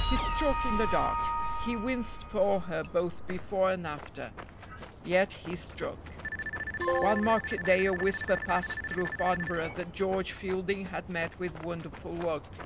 He struck in the dark. He winced for her both before and after. Yet he struck. One market day a whisper passed through Farnborough that George Fielding had met with wonderful luck.